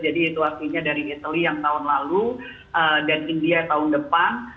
jadi itu artinya dari italy yang tahun lalu dan india tahun depan